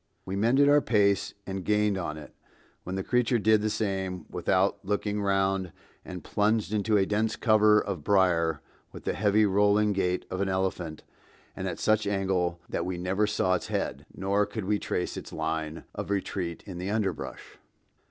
We mended our pace and gained on it, when the creature did the same without looking round and plunged into a dense cover of brier with the heavy rolling gait of an elephant and at such an angle that we never saw its head, nor could we trace its line of retreat in the underbrush.